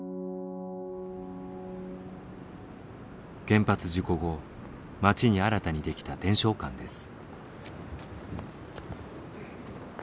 原発事故後町に新たにできた伝承館です。